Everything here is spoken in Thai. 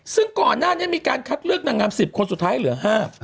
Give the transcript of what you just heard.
ซึ่งก่อนหน้านี้มีการคัดเลือกนางงาม๑๐คนสุดท้ายเหลือ๕